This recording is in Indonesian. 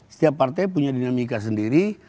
setiap partai punya dinamika sendiri